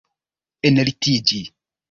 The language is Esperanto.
enlitiĝi